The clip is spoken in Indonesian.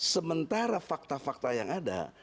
sementara fakta fakta yang ada